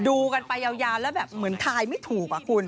ดูกันไปยาวแล้วแบบเหมือนทายไม่ถูกอะคุณ